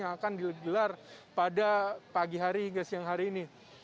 yang akan digelar pada pagi hari hingga siang hari ini